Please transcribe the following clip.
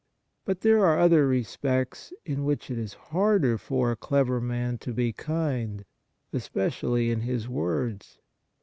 But there are other re spects in which it is harder for a clever man to be kind, especially in his words.